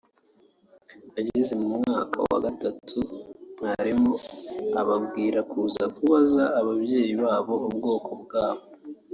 ageze mu mwaka wa gatatu mwarimu ababwira kuza kubaza ababyeyi babo ubwoko bwabo